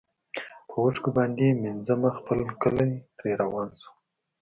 په اوښکو باندي مینځمه خپل کلی ترې روان شم